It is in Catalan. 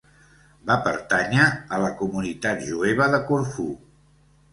Va pertànyer a la comunitat jueva de Corfú.